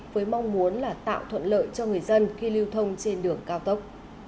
với mong muốn là tạo thuận lợi cho người dân khi lưu thông trên đường cao tốc